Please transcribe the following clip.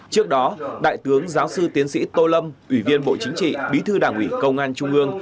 trước đó đại tướng giáo sư tiến sĩ tô lâm ủy viên bộ chính trị bí thư đảng ủy công an trung ương